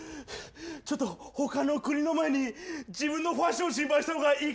ちょっと他の国の前に自分のファッション心配した方がいいかも。